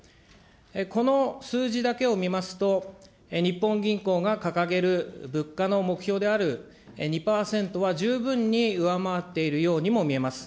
この数字だけを見ますと、日本銀行が掲げる物価の目標である２％は十分に上回っているようにも見えます。